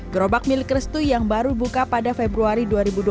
gerobak milik restu yang baru buka pada februari dua ribu dua puluh